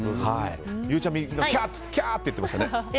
ゆうちゃみがキャー！って言ってましたね。